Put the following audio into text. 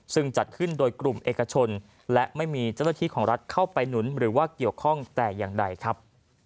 ซึ่งจัดขึ้นโดยกลุ่มเอกชนและไม่มีเจ้าหน้าที่ของรัฐเข้าไปหนุนหรือว่าเกี่ยวข้องแต่อย่างใดครับ